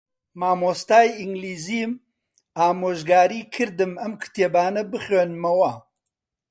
مامۆستای ئینگلیزیم ئامۆژگاریی کردم ئەم کتێبانە بخوێنمەوە.